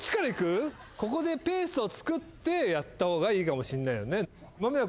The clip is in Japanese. ここでペースをつくってやった方がいいかもしんないよね。